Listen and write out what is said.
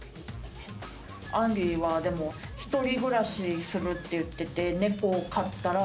あんりはでも一人暮らしするって言ってて。